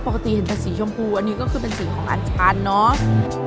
ปกติเห็นคือสีชมพูอันนี้ก็เป็นสีของอาจารย์เนอะ